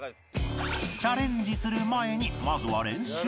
チャレンジする前にまずは練習へ